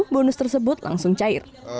bonus tersebut langsung cair